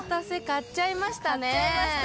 買っちゃいましたね。